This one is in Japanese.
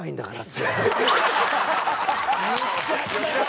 言っちゃった。